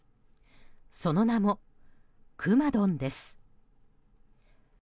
その名も、くまドンです。